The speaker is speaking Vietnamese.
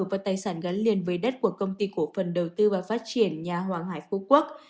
và tài sản gắn liền với đất của công ty cổ phần đầu tư và phát triển nhà hoàng hải phú quốc